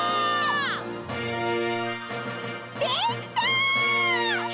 できた！